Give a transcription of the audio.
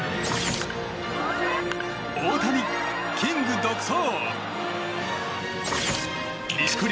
大谷、キング独走。